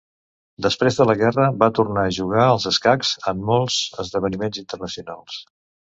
Després de la guerra, va tornar a jugar als escacs en molts esdeveniments internacionals.